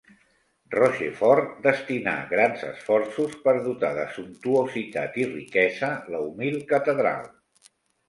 Rochefort destinà grans esforços per dotar de sumptuositat i riquesa la humil catedral.